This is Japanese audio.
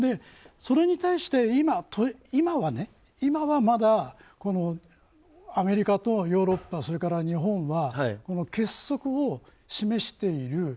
それに対して今はまだアメリカとヨーロッパ日本は結束を示している。